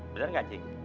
bener gak cik